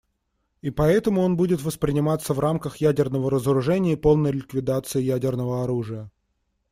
И поэтому он будет восприниматься в рамках ядерного разоружения и полной ликвидации ядерного оружия.